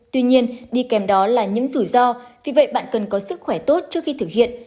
tuy nhiên đi kèm đó là những rủi ro vì vậy bạn cần có sức khỏe tốt trước khi thực hiện